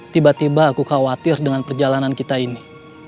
tiba tiba aku khawatir dengan perjalanan kita ini